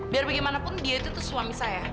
biar bagaimanapun dia itu tuh suami saya